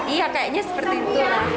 iya kayaknya seperti itu